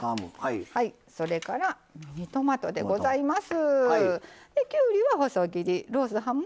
それからミニトマトでございます。